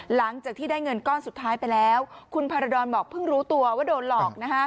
หลังจากที่ได้เงินก้อนสุดท้ายไปแล้วคุณพารดรบอกเพิ่งรู้ตัวว่าโดนหลอก